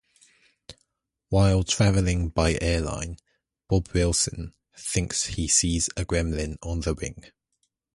While traveling by airliner, Bob Wilson thinks he sees a gremlin on the wing.